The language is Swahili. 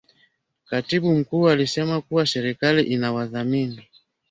Katibu Mkuu alisema kuwa serikali inawadhamini